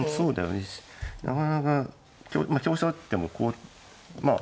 なかなか香車打ってもこうまあ。